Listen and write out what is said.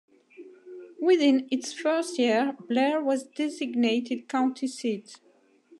Within its first year, Blair was designated county seat.